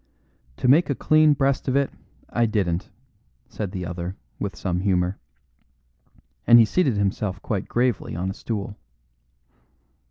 "To make a clean breast of it, I didn't," said the other, with some humour. And he seated himself quite gravely on a stool.